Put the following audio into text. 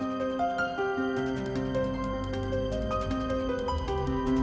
เอาเก้าแล้วไปถูกครับ